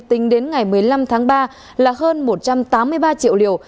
tính đến ngày một mươi năm tháng ba là hơn một trăm tám mươi ba triệu liều